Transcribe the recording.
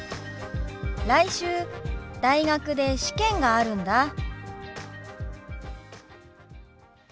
来週大学で試験があるんだ。